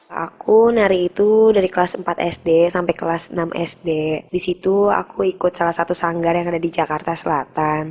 aku nari itu dari kelas empat sd sampai kelas enam sd di situ aku ikut salah satu sanggar yang ada di jakarta selatan